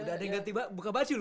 udah ada yang gak tiba buka baju lu